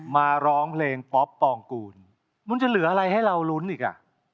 มาร้องเพลงป๊อปปองกูลมันจะเหลืออะไรให้เรารุ้นอีกอ่ะ